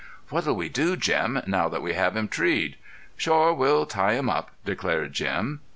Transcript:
"What'll we do, Jim, now that we have him treed?" "Shore, we'll tie him up," declared Jim.